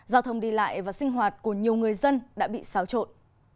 giao thông đi lại và sinh hoạt của nhiều người dân đã bị xáo trộn